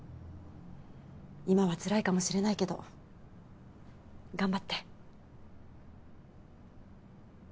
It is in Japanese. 今はつらいかもしれないけど頑張って。